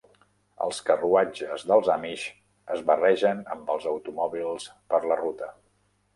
Els carruatges dels amish es barregen amb els automòbils per la ruta.